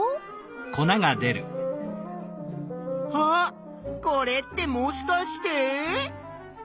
これってもしかして？